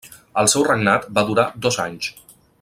El seu regnat va durar dos anys.